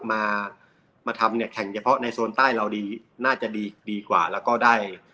มามาทำเนี่ยแข่งเฉพาะในโซนใต้เราดีน่าจะดีดีกว่าแล้วก็ได้